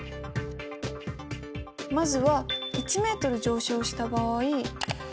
まずは１ｍ上昇した場合。